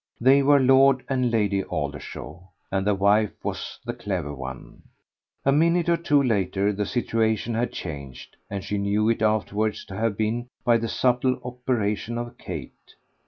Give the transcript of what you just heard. They were Lord and Lady Aldershaw, and the wife was the clever one. A minute or two later the situation had changed, and she knew it afterwards to have been by the subtle operation of Kate.